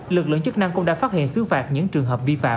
lực lượng chức năng cũng đã phát hiện xứ phạt những trường hợp vi phạm